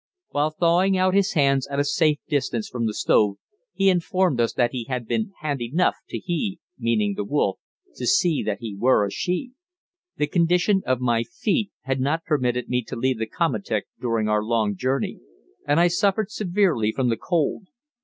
While thawing out his hands at a safe distance from the stove, he informed us that he had been "handy 'nuf to he [meaning the wolf] to see that he were a she." The condition of my feet had not permitted me to leave the komatik during our long journey, and I suffered severely from the cold.